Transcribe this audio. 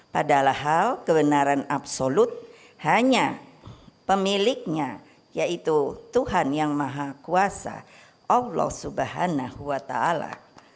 padahal kebenaran absolut hanya pemiliknya yaitu tuhan yang maha kuasa allah subhanahu wa ta'ala